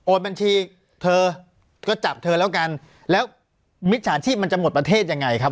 บัญชีเธอก็จับเธอแล้วกันแล้วมิจฉาชีพมันจะหมดประเทศยังไงครับ